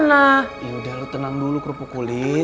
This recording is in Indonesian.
nah yaudah lu tenang dulu kerupuk kulit